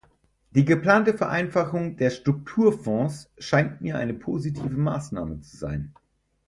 Die geplante Vereinfachung der Strukturfonds scheint mir eine positive Maßnahme zu sein.